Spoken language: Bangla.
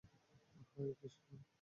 হাই, কৃষ্ণা।